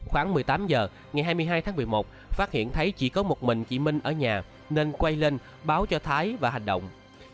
khoảng một mươi tám h ngày hai mươi hai tháng một mươi một phát hiện thấy chỉ có một mình chị minh ở nhà nên quay lên báo cho thái và hành động